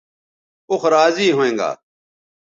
اوخ راضی ھوینگا